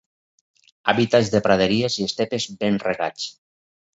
Hàbitats de praderies i estepes ben regats.